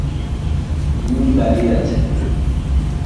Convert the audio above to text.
লীম দাঁড়িয়ে আছে।